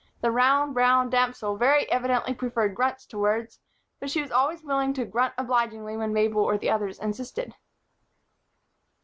The round brown damsel very evidently preferred grunts to words; but she was always willing to grunt obligingly when Mabel or the others insisted.